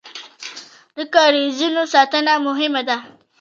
د کاریزونو ساتنه مهمه ده